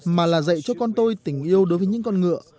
mà là dạy cho con tôi tình yêu đối với những con ngựa